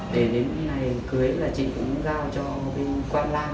để đến ngày cưới là chị cũng giao cho quang lang